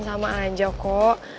sama sama aja kok